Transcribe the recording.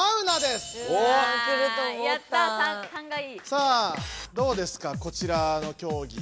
さあどうですかこちらの競技。